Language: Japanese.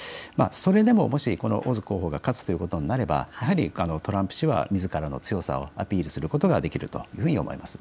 それでももしオズ候補が勝つということになればやはりトランプ氏はみずからの強さをアピールすることができるというふうに思います。